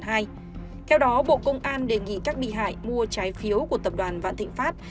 theo đó bộ công an đề nghị các bị hại mua trái phiếu của tập đoàn vạn thịnh pháp